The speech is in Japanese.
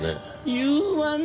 言うわね。